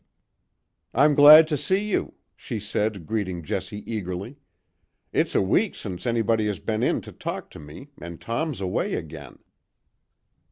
"I'm glad to see you," she said, greeting Jessie eagerly. "It's a week since anybody has been in to talk to me and Tom's away again."